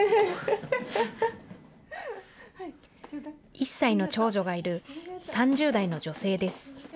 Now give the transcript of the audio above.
１歳の長女がいる３０代の女性です。